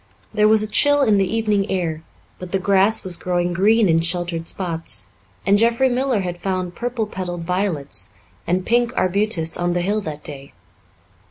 There was a chill in the evening air, but the grass was growing green in sheltered spots, and Jeffrey Miller had found purple petalled violets and pink arbutus on the hill that day.